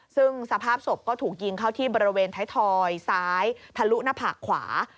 ซึ่งสภาพศพก็ถูกยิงเข้าที่บริเวณไทยทอยซ้ายทะลุหน้าผากขวา